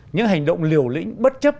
những hành động liều lĩnh bất chấp